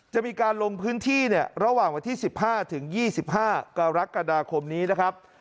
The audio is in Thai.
จะมีการลงพื้นที่ระหว่างวันที่๑๕ถึง๒๕กรกฎาคมนี้นะครับ